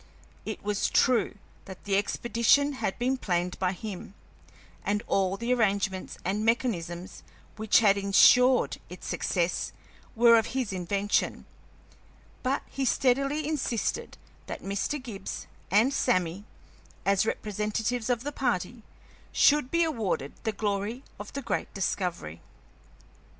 It was true that the expedition had been planned by him, and all the arrangements and mechanisms which had insured its success were of his invention, but he steadily insisted that Mr. Gibbs and Sammy, as representatives of the party, should be awarded the glory of the great discovery.